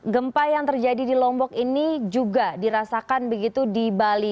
gempa yang terjadi di lombok ini juga dirasakan begitu di bali